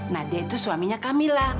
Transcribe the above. nah dia itu suaminya camilla